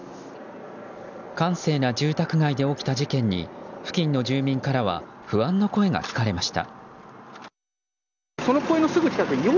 閑静な住宅街で起きた事件に付近の住民からは不安の声が聞かれました。